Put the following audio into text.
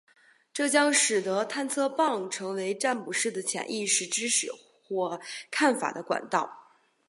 这将使得探测棒成为占卜师的潜意识知识或看法的管道。